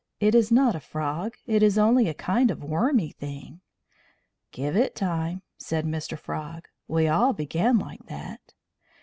"It is not a frog. It is only a kind of wormy thing." "Give it time," said Mr. Frog. "We all began like that."